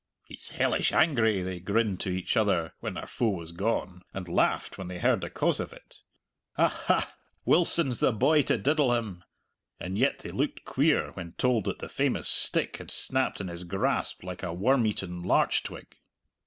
"He's hellish angry," they grinned to each other when their foe was gone, and laughed when they heard the cause of it. "Ha, ha, Wilson's the boy to diddle him!" And yet they looked queer when told that the famous stick had snapped in his grasp like a worm eaten larch twig.